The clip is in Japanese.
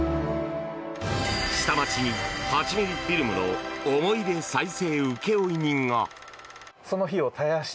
下町に８ｍｍフィルムの思い出再生請負人が。